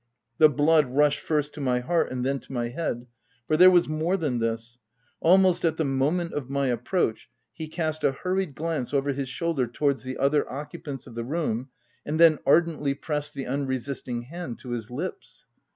The blood rushed first to my heart and then to my head — for there was more than this ; almost at the moment of my approach, he cast a hurried glance over his shoulder towards the other occupants of the room, and then ardently pressed the unresisting hand to his lips.